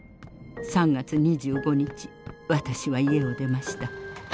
３月２５日私は家を出ました。